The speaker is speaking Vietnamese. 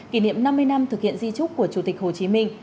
kỷ niệm năm mươi năm thực hiện di trúc của chủ tịch hồ chí minh